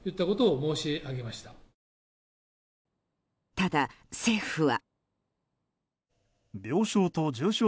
ただ、政府は。